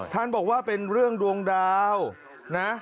บอกว่าเป็นเรื่องดวงดาวนะ